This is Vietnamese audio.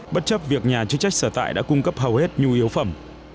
bất chấp việc nhà chức trách sở tại đã cung cấp hầu hết nhu yếu phẩm